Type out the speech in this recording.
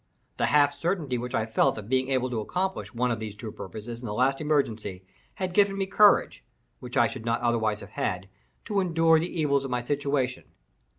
The half certainty which I felt of being able to accomplish one of these two purposes in the last emergency, had given me courage (which I should not otherwise have had) to endure the evils of my situation.